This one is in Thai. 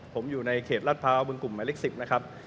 ผมอยู่ในเขตรภาวค์เบื้องกลุ่มหมายเลข๑๐นะครับ